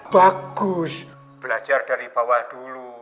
bagus belajar dari bawah dulu